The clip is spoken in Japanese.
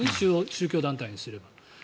宗教団体にすれば。